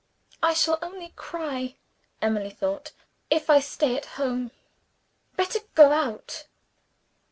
"I shall only cry," Emily thought, "if I stay at home; better go out."